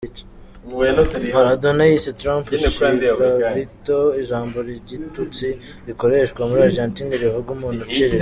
Maradona yise Trump “chirolita", ijambo ry’igitutsi rikoreshwa muri Argentina rivuga umuntu uciritse.